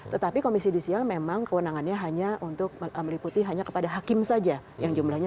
tetapi komisi judisial memang kewenangannya hanya untuk meliputi hanya kepada hakim saja yang jumlahnya